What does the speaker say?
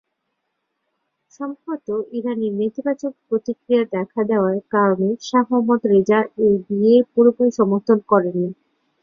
সম্ভবত ইরানে নেতিবাচক প্রতিক্রিয়া দেখা দেওয়ার কারণে শাহ মোহাম্মদ রেজা এই বিয়ের পুরোপুরি সমর্থন করেন নি।